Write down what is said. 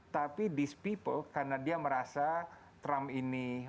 tapi this people karena dia merasa trump ini